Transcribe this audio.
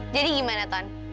jadi gimana ton